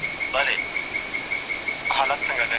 دا سمارټ ګلاسونه تر عادي سترګیو ډېر معلومات ښکاره کوي.